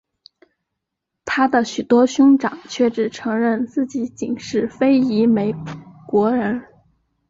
他的许多兄长却只承认自己仅是非裔美国人。